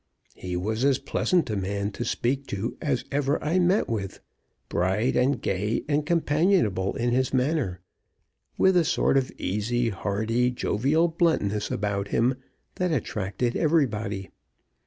He was as pleasant a man to speak to as ever I met with bright, and gay, and companionable in his manner with a sort of easy, hearty, jovial bluntness about him that attracted everybody.